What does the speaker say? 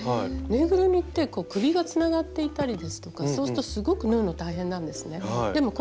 ぬいぐるみって首がつながっていたりですとかそうするとすごく縫うの大変なんですね。